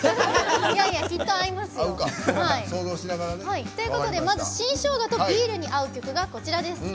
きっと合いますよ。ということでまず新生姜とビールに合う曲がこちらです。